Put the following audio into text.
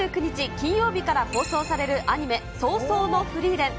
金曜日から放送されるアニメ、葬送のフリーレン。